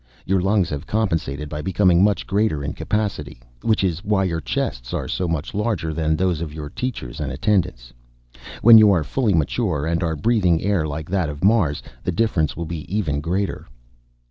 Your lungs have compensated by becoming much greater in capacity, which is why your chests are so much larger than those of your teachers and attendants; when you are fully mature and are breathing air like that of Mars, the difference will be even greater.